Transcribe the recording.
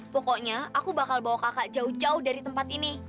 pokoknya aku bakal bawa kakak jauh jauh dari tempat ini